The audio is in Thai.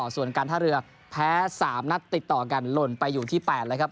ส่วนการท่าเรือแพ้๓นัดติดต่อกันหล่นไปอยู่ที่๘แล้วครับ